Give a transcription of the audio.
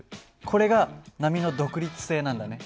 これが波の独立性なんだね。